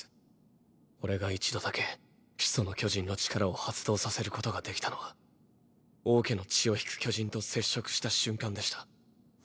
オレが一度だけ「始祖の巨人」の力を発動させることができたのは「王家の血を引く巨人」と接触した瞬間でした。